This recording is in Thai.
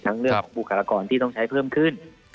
เรื่องของบุคลากรที่ต้องใช้เพิ่มขึ้น